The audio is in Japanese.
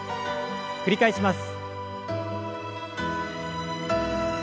繰り返します。